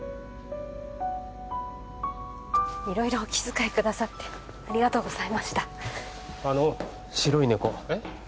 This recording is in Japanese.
色々お気遣いくださってありがとうございましたあの白いねこえっ？